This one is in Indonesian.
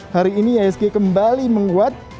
hari ini iasg kembali menguat